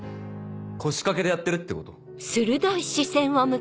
腰掛けでやってるってこと？